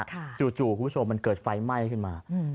จู่คุณผู้ชมมันเกิดไฟไหม้ขึ้นมา